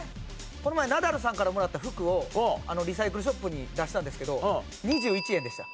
この前ナダルさんからもらった服をリサイクルショップに出したんですけど２１円でした。